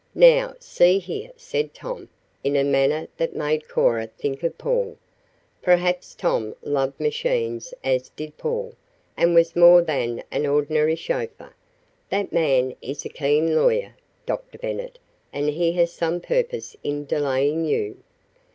Now see here," said Tom, in a manner that made Cora think of Paul perhaps Tom loved machines as did Paul, and was more than an ordinary chauffeur "that man is a keen lawyer, Dr. Bennet, and he has some purpose in delaying you."